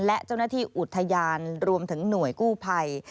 และเจ้าหน้าที่อุทยานรวมถึงหน่วยกู้ภัย